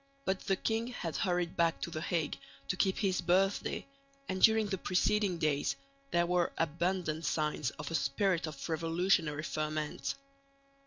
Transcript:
But the king had hurried back to the Hague to keep his birthday, and during the preceding days there were abundant signs of a spirit of revolutionary ferment.